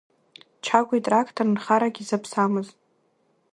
Чагә итрақтор нхарак изаԥсамыз!